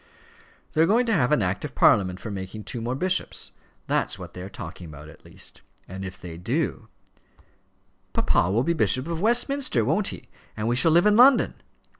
"They are going to have an Act of Parliament for making two more bishops. That's what they are talking about at least. And if they do " "Papa will be Bishop of Westminster won't he? And we shall live in London?"